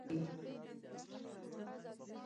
ارقام سړي ته مبالغه ښکاري.